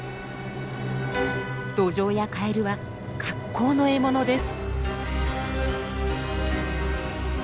ドジョウやカエルは格好の獲物です。